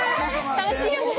楽しいよね。